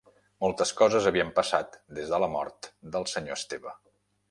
Moltes coses havien passat des de la mort del senyor Esteve